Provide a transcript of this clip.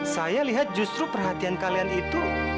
saya lihat justru perhatian kalian itu